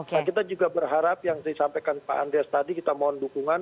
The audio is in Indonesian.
nah kita juga berharap yang disampaikan pak andreas tadi kita mohon dukungan